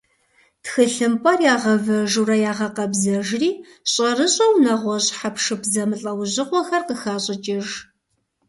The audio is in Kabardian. Тхылъымпӏэр ягъэвэжурэ ягъэкъэбзэжри, щӏэрыщӏэу нэгъуэщӏ хьэпшып зэмылӏэужьыгъуэхэр къыхащӏыкӏыж.